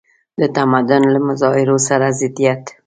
د تمدن له مظاهرو سره ضدیت.